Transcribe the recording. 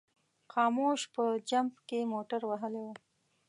خاموش په جمپ کې موټر وهلی و.